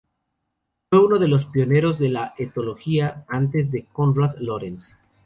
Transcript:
Fue uno de los pioneros de la etología antes de Konrad Lorenz.